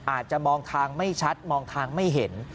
อาจจะมองทางไม่ชัดมองทางไม่เห็น